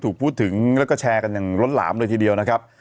ถูกพูดถึงแล้วก็แชร์กันอย่างล้นหลามเลยทีเดียวนะครับ